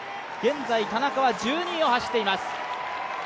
現在田中は１２位を走っています。